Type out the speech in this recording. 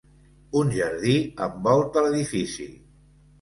Un jardí envolta l'edifici.